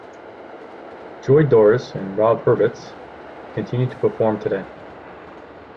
Joy Dorris and Rob Hubertz continue to perform today.